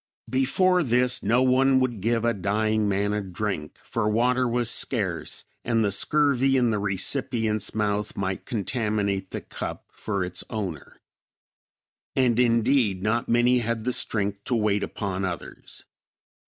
Before this, no one would give a dying man a drink, for water was scarce, and the scurvy in the recipient's mouth might contaminate the cup for its owner. And indeed, not many had the strength to wait upon others.